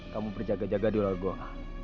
kamu berjaga jaga di luar goa